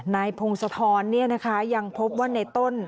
ในโผงสะทอนอย่างพบว่าในต้น